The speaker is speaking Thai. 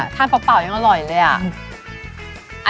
เปล่ายังอร่อยเลยอ่ะ